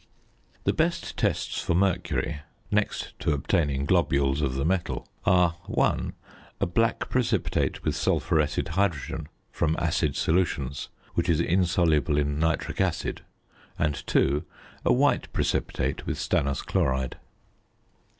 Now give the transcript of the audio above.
The best tests for mercury next to obtaining globules of the metal are: (1) a black precipitate with sulphuretted hydrogen from acid solutions, which is insoluble in nitric acid; and (2) a white precipitate with stannous chloride.